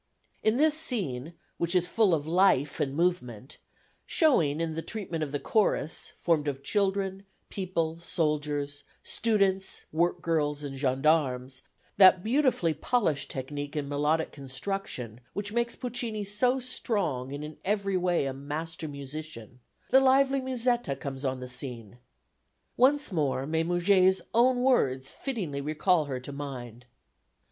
In this scene, which is full of life and movement showing in the treatment of the chorus, formed of children, people, soldiers, students, work girls, and gendarmes, that beautifully polished technique in melodic construction which makes Puccini so strong and in every way a master musician the lively Musetta comes on the scene. Once more may Murger's own words fittingly recall her to mind.